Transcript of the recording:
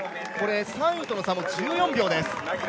３位との差も１４秒です。